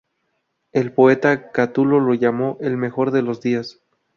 El poeta Catulo lo llamó "el mejor de los días".